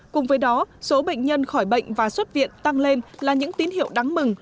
cùng với đó số bệnh nhân khỏi bệnh và xuất viện tăng lên là những tín hiệu đáng mừng